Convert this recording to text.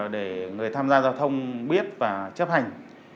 để người tham gia giao thông biết và chấp hành